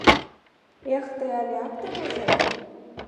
— Эх, тый, але актым возет!..